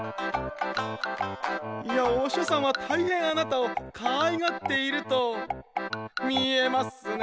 「御師匠さんは大変あなたを可愛がっていると見えますね」